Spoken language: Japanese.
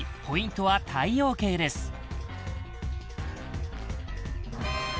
ポイントは太陽系です